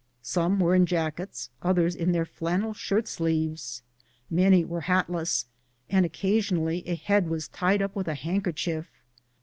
Some were in jackets, others in their flan nel shirt sleeves. Many were hatless, and occasionally a head was tied up with a handkerchief.